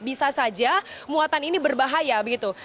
bisa saja muatan ini berbahaya begitu